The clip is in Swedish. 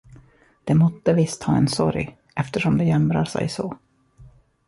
De måtte visst ha en sorg, eftersom de jämrar sig så.